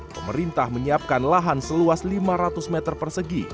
pemerintah menyiapkan lahan seluas lima ratus meter persegi